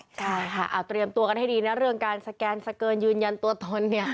ใช่ค่ะเอาเตรียมตัวกันให้ดีนะเรื่องการสแกนสเกินยืนยันตัวตนเนี่ย